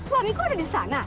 bukan ketemu kan